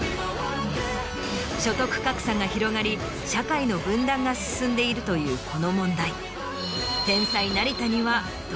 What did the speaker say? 所得格差が広がり社会の分断が進んでいるというこの問題。